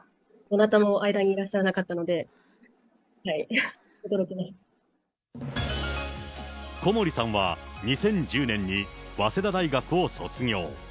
どなたも間にいらっしゃらなかっ小森さんは、２０１０年に早稲田大学を卒業。